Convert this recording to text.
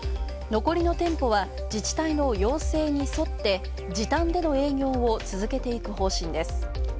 残りの店舗は自治体の要請に沿って時短での営業を続けていく方針です。